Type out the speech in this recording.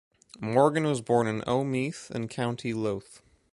Morgan was born in Omeath in County Louth.